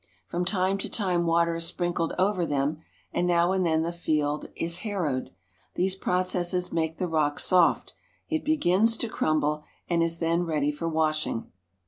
From time to time water is sprinkled over them, and now and then the field is harrowed. These processes make the rock soft ; it begins to crumble, and is then ready for washing.